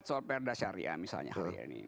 soal perdasyaria misalnya